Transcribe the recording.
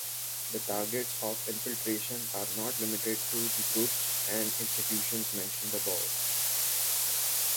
The targets of infiltration are not limited to the groups and institutions mentioned above.